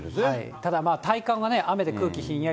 ただまあ、体感が雨で空気ひんやり。